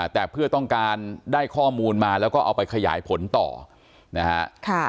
แต่เพื่อต้องการได้ข้อมูลมาแล้วก็เอาไปขยายผลต่อนะฮะ